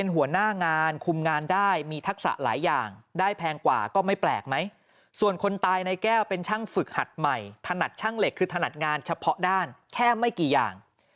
ถนัดช่างเหล็กคือถนัดงานเฉพาะด้านแค่ไม่กี่อย่าง